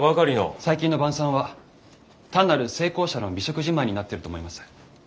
最近の「晩餐」は単なる成功者の美食自慢になっていると思います。